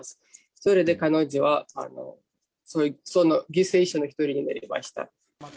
それで彼女はその犠牲者の一人になりました。